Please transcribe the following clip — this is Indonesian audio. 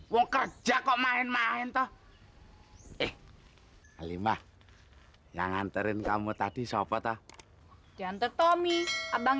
wong kerja kok main main toh eh halimah yang nganterin kamu tadi sopo toh jantet tommy abang